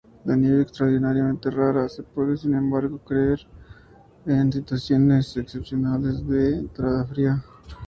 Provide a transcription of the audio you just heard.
La nieve, extraordinariamente rara, puede sin embargo caer en situaciones excepcionales de entrada fría.